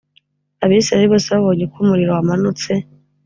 Abisirayeli bose babonye uko umuriro wamanutse